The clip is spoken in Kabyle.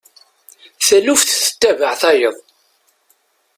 Taluft tettabaε tayeḍ.